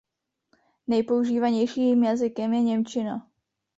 Nejpoužívanějším jazykem je němčina.